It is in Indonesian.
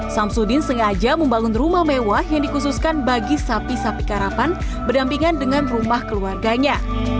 samsudin sengaja membangun rumah mewah yang dikhususkan bagi sapi sapi karapan berdampingan dengan rumah keluarganya